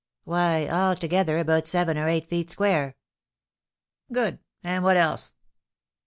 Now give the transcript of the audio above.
"Why, altogether about seven or eight feet square." "Good, and what else?"